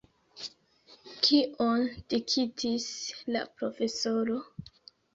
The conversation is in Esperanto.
Kion diktis la profesoro?